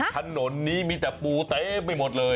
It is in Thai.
ถนนนี้มีแต่ปูเต็มไปหมดเลย